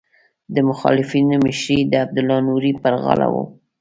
د مخالفینو مشري د عبدالله نوري پر غاړه وه.